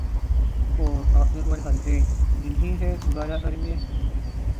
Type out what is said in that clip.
توطاقتور حلقے انہی سے گزارا کریں گے۔